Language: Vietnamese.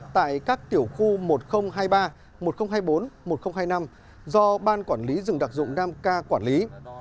tại các tiểu khu một nghìn hai mươi ba một nghìn hai mươi bốn một nghìn hai mươi năm do ban quản lý rừng đặc dụng nam ca quản lý